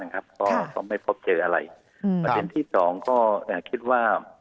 ก็ไม่พบเจออะไรประเด็นที่สองก็คิดว่า